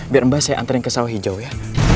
biar mbak saya anterin ke sawah hijau ya